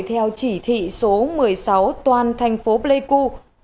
theo chỉ thị số một mươi sáu toàn thành phố pleiku